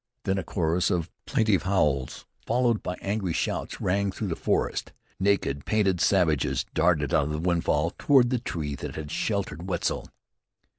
Then a chorus of plaintive howls, followed by angry shouts, rang through the forest. Naked, painted savages darted out of the windfall toward the tree that had sheltered Wetzel.